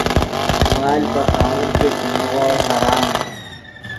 مال پے خاوند کہ چے نیغوڑ حرام